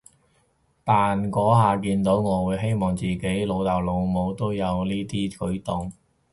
但嗰下見到，我會希望自己老豆老母都有呢啲舉動